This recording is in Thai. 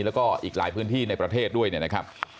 แล้วก็อีกหลายพื้นที่ในประเทศด้วยนะครับ